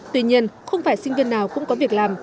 tuy nhiên không phải sinh viên nào cũng có việc làm